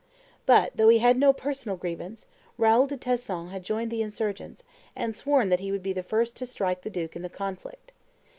But, though he had no personal grievance, Raoul de Tesson had joined the insurgents, and sworn that he would be the first to strike the duke in the conflict.